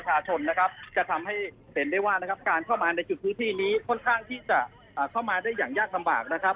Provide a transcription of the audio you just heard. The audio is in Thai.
จะทำให้เป็นได้ว่าการเข้ามาในจุดพื้นที่นี้ค่อนข้างที่จะเข้ามาได้อย่างยากต่ำบาก